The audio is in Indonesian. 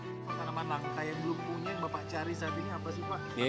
tanaman langka yang belum punya yang bapak cari saat ini apa sih pak